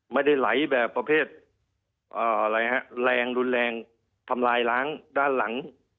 ไม่ได้ไหลแบบประเภทอะไรฮะแรงรุนแรงทำลายล้างด้านหลัง